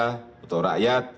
kabinet yang bekerja untuk rakyat